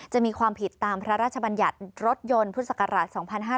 จะมีความผิดตามพระราชบัญญัติรถยนต์พุทธศักราช๒๕๕๙